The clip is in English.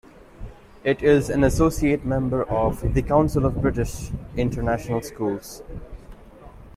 It is an associate member of the Council of British International Schools.